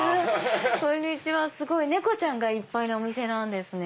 すごい猫ちゃんがいっぱいのお店なんですね。